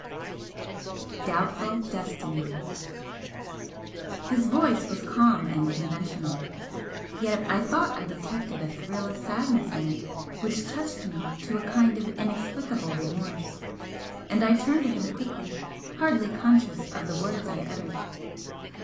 IX DOUBTFUL DESTINY His voice was calm and conventional, yet I thought I detected a thrill of sadness in it which touched me to a kind of inexplicable remorse, and I turned to him quickly, hardly conscious of the words I uttered.